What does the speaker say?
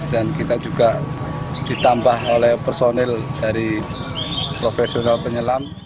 dan kita juga ditambah oleh personil dari profesional penyelam